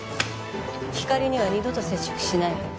ひかりには二度と接触しないで。